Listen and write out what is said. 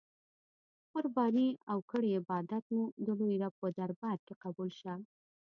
قربانې او کړی عبادات مو د لوی رب په دربار کی قبول شه.